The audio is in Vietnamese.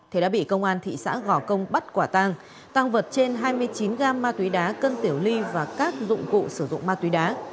thì đã bị công an thị xã gò công bắt quả tăng tăng vật trên hai mươi chín gam ma túy đá cân tiểu ly và các dụng cụ sử dụng ma túy đá